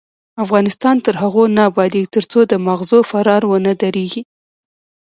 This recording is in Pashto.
افغانستان تر هغو نه ابادیږي، ترڅو د ماغزو فرار ونه دریږي.